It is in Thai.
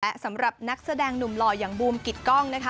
และสำหรับนักแสดงหนุ่มหล่ออย่างบูมกิดกล้องนะคะ